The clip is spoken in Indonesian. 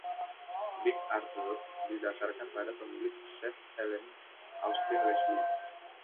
Big Arthur didasarkan pada pemilik Chez Helene, Austin Leslie.